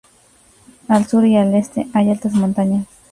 Al sur y al este hay altas montañas.